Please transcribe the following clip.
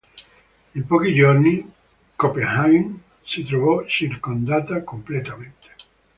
In pochi giorni Copenaghen si trovò circondata completamente.